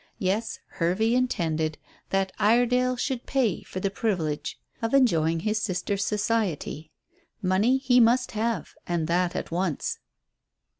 Yes, Hervey intended that Iredale should pay for the privilege of enjoying his sister's society. Money he must have, and that at once.